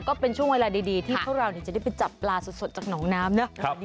ก็เป็นช่วงเวลาดีที่พวกเราจะได้ไปจับปลาสดจากหนองน้ำเนอะ